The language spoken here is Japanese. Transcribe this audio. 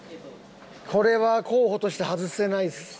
これは候補として外せない。